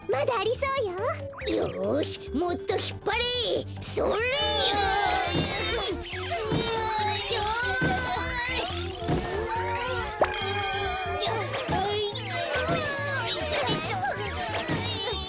それそれと！